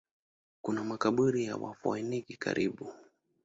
Kuna makaburi ya Wafoeniki karibu.